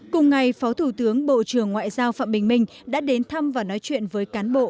cùng ngày phó thủ tướng bộ trưởng ngoại giao phạm bình minh đã đến thăm và nói chuyện với cán bộ